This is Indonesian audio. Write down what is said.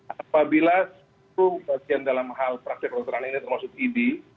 apabila itu berhasil dalam hal praktek kedokteran ini termasuk idi